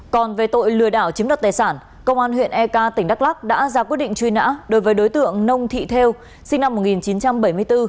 còn về tội lừa đảo chiếm đoạt tài sản công an huyện ek tỉnh đắk lắc đã ra quyết định truy nã đối với đối tượng nông thị theo sinh năm một nghìn chín trăm bảy mươi bốn